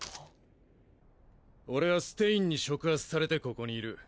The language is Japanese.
俺はステインに触発されてここにいる。